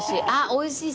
おいしい？